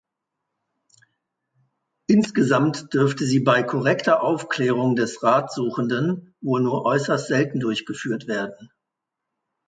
Insgesamt dürfte sie bei korrekter Aufklärung des Ratsuchenden wohl nur äußerst selten durchgeführt werden.